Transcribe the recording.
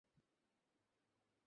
উপর থেকে ডাক এসেছে নাকি?